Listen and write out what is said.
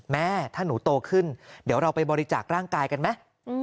แม่ถ้าหนูโตขึ้นเดี๋ยวเราไปบริจาคร่างกายกันไหม